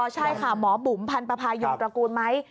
ใช่ค่ะหมอบุ๋มพันธ์ประพายุตรกูลไหม